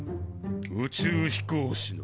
宇宙飛行士の。